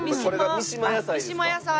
三島野菜。